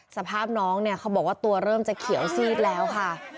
สภาพน้องเนี่ยเขาบอกว่าตัวเริ่มจะเขียวซีดแล้วค่ะ